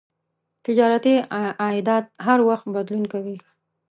تجارتي عایدات هر وخت بدلون کوي.